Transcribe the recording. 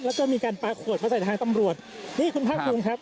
แล้วก็มีการปลาขวดมาใส่ทางตำรวจนี่คุณภาคภูมิครับ